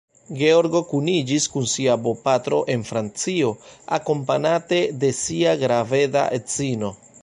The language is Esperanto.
Georgo kuniĝis kun sia bopatro en Francio, akompanate de sia graveda edzino.